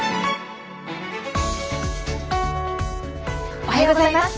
おはようございます。